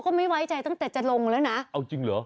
คอยเขาก็ไม่ไว้ใจตั้งแต่จ๋าลงแล้วนะ